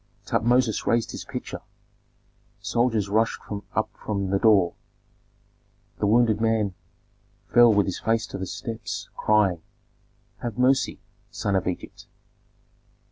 Tutmosis raised his pitcher; soldiers rushed up from the door. The wounded man fell with his face to the steps, crying, "Have mercy, sun of Egypt!"